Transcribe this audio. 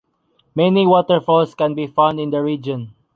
Many waterfalls can be found in the region.